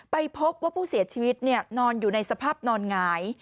ไปพบว่าผู้เสียชีวิตนอนอยู่ในสภาพนอนหงาย